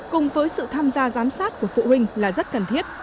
cùng với sự tham gia giám sát của phụ huynh là rất cần thiết